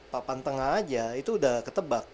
papan tengah aja itu udah ketebak